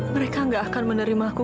mereka gak akan menerima aku